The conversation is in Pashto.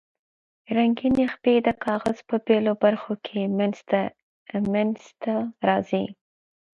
رنګینې خپې د کاغذ په بیلو برخو کې منځ ته راځي.